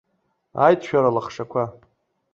Ааит шәара алахшақәа!